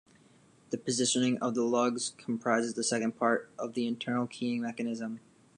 The positioning of the lugs comprises the second part of the internal keying mechanism.